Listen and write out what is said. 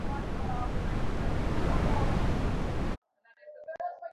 বাবা আমাকে ফোনে ভেতরে থাকতে বলেছে!